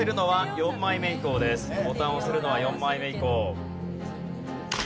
ボタンを押せるのは４枚目以降。